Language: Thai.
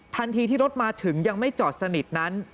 ทันทีที่รถมาถึงยังไม่จอดสนิทนั้น